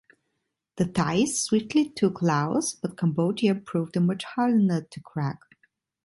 The Thais swiftly took Laos, but Cambodia proved a much harder nut to crack.